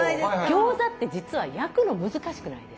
餃子って実は焼くの難しくないですか？